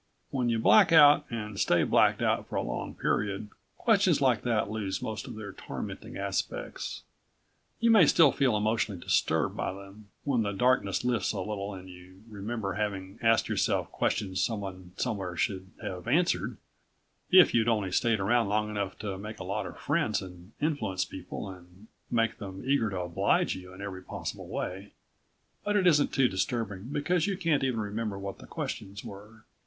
_ When you black out and stay blacked out for a long period, questions like that lose most of their tormenting aspects. You may still feel emotionally disturbed by them, when the darkness lifts a little and you remember having asked yourself questions someone somewhere should have answered if you'd only stayed around long enough to make a lot of friends and influence people and make them eager to oblige you in every possible way. But it isn't too disturbing, because you can't even remember what the questions were.